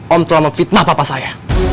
om telah memfitnah papa saya